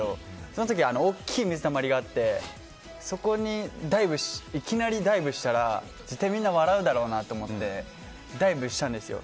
その時は大きい水たまりがあってそこにいきなりダイブしたら絶対みんな笑うだろうなと思ってダイブしたんですよ。